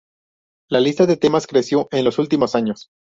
La lista de temas creció en los últimos años.